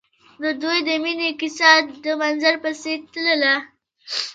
د دوی د مینې کیسه د منظر په څېر تلله.